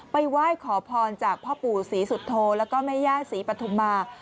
ไหว้ขอพรจากพ่อปู่ศรีสุโธแล้วก็แม่ย่าศรีปฐุมา